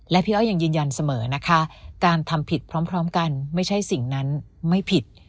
และพี่อ้อยยังยืนยันเสมอนะคะการทำผิดพร้อมกันไม่ใช่สิ่งนั้นไม่ผิด